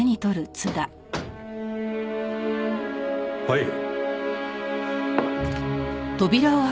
はい。